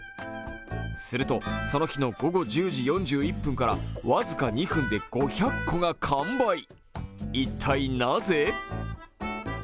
すると、その日の午後１０時４１分からわずか２分で５００個が完売一体なぜ？